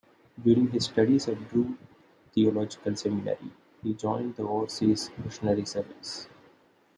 During his studies at Drew Theological Seminary, he joined the overseas missionary service.